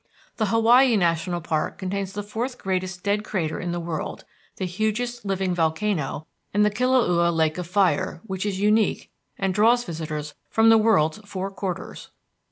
The Hawaii National Park contains the fourth greatest dead crater in the world, the hugest living volcano, and the Kilauea Lake of Fire, which is unique and draws visitors from the world's four quarters.